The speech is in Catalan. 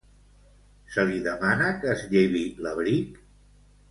Se li demana que es llevi l'abric?